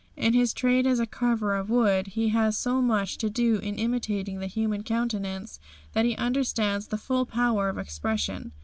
In his trade as a carver of wood he has so much to do in imitating the human countenance that he understands the full power of expression.